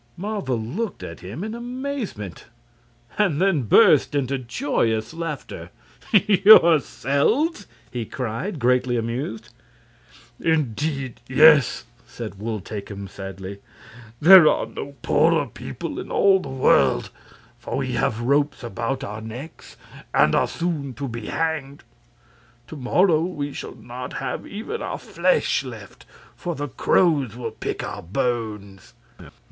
Marvel looked at him in amazement, and then burst into joyous laughter. "Yourselves!" he cried, greatly amused. "Indeed, yes!" said Wul Takim, sadly. "There are no poorer people in all the world, for we have ropes about our necks and are soon to be hanged. To morrow we shall not have even our flesh left, for the crows will pick our bones."